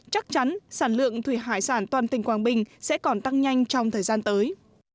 chắc chắn sản lượng thủy hải sản toàn tỉnh quảng bình sẽ còn tăng nhanh trong thời gian tới